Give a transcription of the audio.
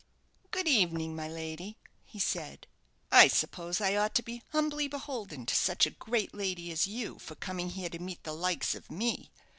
"Good evening, my lady," he said. "I suppose I ought to be humbly beholden to such a grand lady as you for coming here to meet the likes of me.